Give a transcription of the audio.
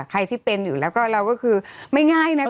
ใครที่เป็นอยู่แล้วก็เราก็คือไม่ง่ายนะ